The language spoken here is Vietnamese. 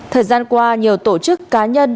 thời gian qua nhiều tổ chức cá nhân